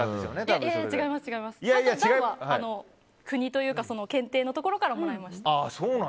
段は国というか検定のところからもらいました。